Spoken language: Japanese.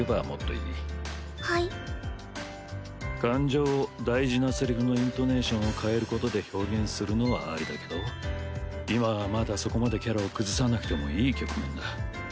感情を大事なセリフのイントネーションを変えることで表現するのはありだけど今はまだそこまでキャラを崩さなくてもいい局面だ。